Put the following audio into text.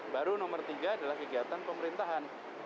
baru nomor tiga adalah kegiatan pemerintahan